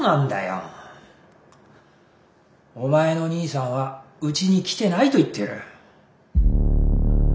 お前の兄さんはうちに来てないと言ってる。